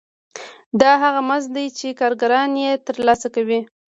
دا هغه مزد دی چې کارګران یې ترلاسه کوي